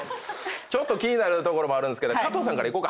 気になるところもあるんすけどかとうさんからいこうか。